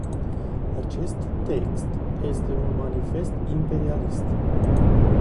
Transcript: Acest text este un manifest imperialist.